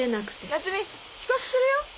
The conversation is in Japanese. ・夏実遅刻するよ。